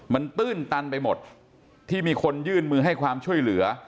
มันตื้นตันไปหมดที่มีคนยื่นมือให้ความช่วยเหลือ